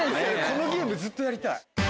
このゲームずっとやりたい。